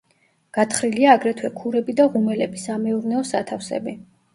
გათხრილია აგრეთვე ქურები და ღუმელები, სამეურნეო სათავსები.